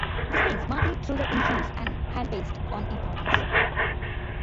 This means muddling through the issues at hand based on importance.